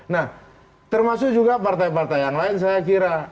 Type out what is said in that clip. nah termasuk juga partai partai yang lain saya kira